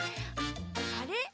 あれ？